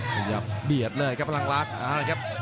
พยายามเบียดเลยครับพลังลักษณ์ครับครับครับ